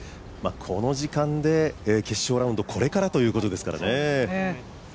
この時間で、決勝ラウンド、これからということですからね。